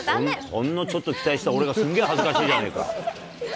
ほんのちょっと期待した俺が恥ずかしいじゃねえか。